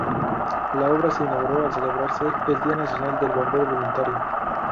La obra se inauguró al celebrarse el Día Nacional del Bombero Voluntario.